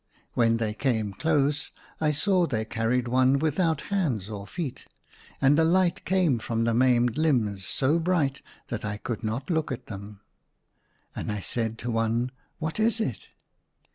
When they came close I saw they carried one without hands or feet. And a light came from the maimed limbs so bright that I could not look at them. ACROSS MY BED. 167 And I said to one, " What is it